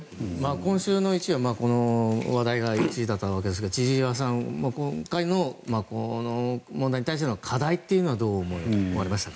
今週の１位はこの話題が１位だったわけですけど千々岩さんは今回のこの問題に対しての課題というのはどう思われますか？